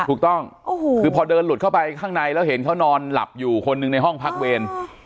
ถูกต้องคือพอเดินหลุดเข้าไปข้างในแล้วเห็นเขานอนหลับอยู่คนหนึ่งในห้องพักเวร